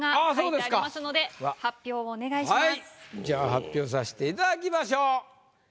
じゃあ発表さしていただきましょう。